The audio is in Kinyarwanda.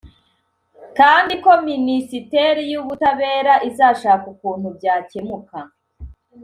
kandi ko minisiteri y’ubutabera izashaka ukuntu byakemuka